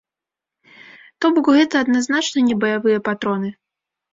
То бок гэта адназначна не баявыя патроны.